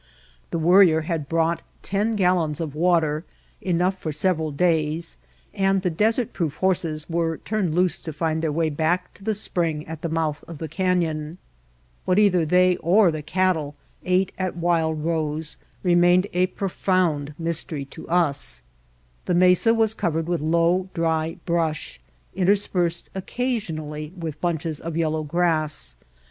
The Worrier had brought ten gallons of water, enough for several days, and the "desert proof" horses were turned loose to find their way back to the spring at the mouth of the canyon. What either they or the cattle ate at Wild Rose remained a pro found mystery to us. The mesa was covered with low, dry brush, interspersed occasionally with bunches of yellow grass.